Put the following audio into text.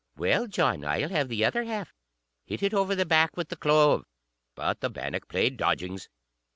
"Well, John, I'll have the other half. Hit it over the back with the clove." But the bannock played dodgings.